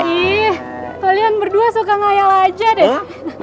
ih kalian berdua suka ngayal aja deh